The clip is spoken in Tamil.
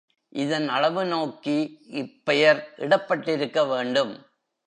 இதன் அளவு நோக்கி இப்பெயர் இடப்பட்டிருக்க வேண்டும்.